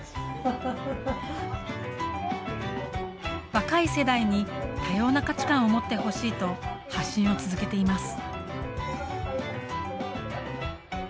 若い世代に多様な価値観を持ってほしいと発信を続けています。